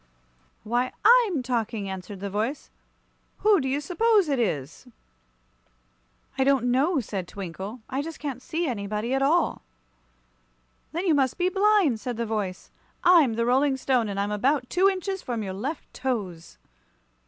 "Why, I'm talking," answered the voice. "Who do you suppose it is?" "I don't know," said Twinkle. "I just can't see anybody at all." "Then you must be blind," said the voice. "I'm the Rolling Stone, and I'm about two inches from your left toes."